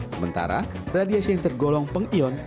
sementara radiasi yang tergolong pengion